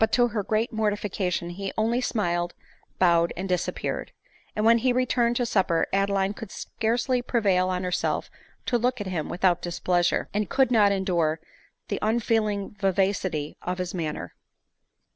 to her great mortification he only smiled, bowed, and disappeared ; and when be returned to supper, Adeline could scarcely prevail on herself to look at him without displeasure, and could not endure the unfeeling vivacity of his manner.